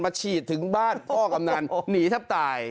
ฉีดถึงบ้านพ่อกำนันหนีแทบตาย